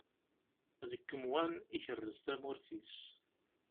Deg umwan, ikerrez tamurt-is.